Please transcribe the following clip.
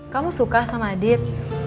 kamu suka sama adit